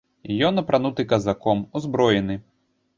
Ён апрануты казаком, узброены.